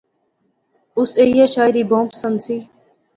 اس ایہہ شاعری بہوں پسند سی